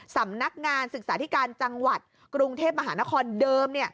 สำนักงานศึกษาธิการจังหวัดกรุงเทพมหานครเดิม